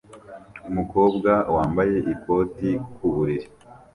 Umukobwa wambaye ikoti ku buriri